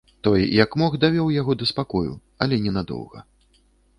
Той, як мог, давёў яго да спакою, але ненадоўга.